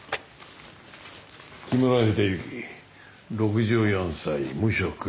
木村秀幸６４歳無職。